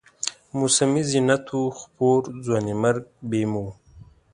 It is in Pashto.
موسمي زینت و خپور، ځوانیمرګ بیم و